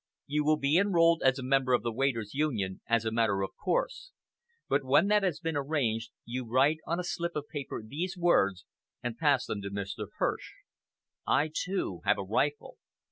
You will be enrolled as a member of the Waiters' Union, as a matter of course; but when that has been arranged you write on a slip of paper these words, and pass them to Mr. Hirsch 'I, too, have a rifle'!"